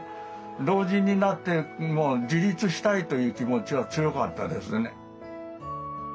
老人になっても自立したいという気持ちは強かったですね。